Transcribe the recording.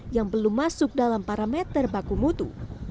yang belum masuk dalam parameter baku mutu